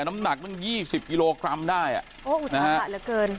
น้ำหนักตั้งยี่สิบกิโลกรัมได้อ่ะโอ้อุตหาเหลือเกิน